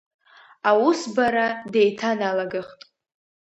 Аусбара деиҭаналагахт.